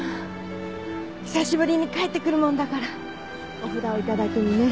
久しぶりに帰ってくるもんだからお札を頂きにね。